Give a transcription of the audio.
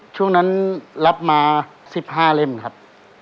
ช่วงนั้นรับมา๑๕เล่มครับ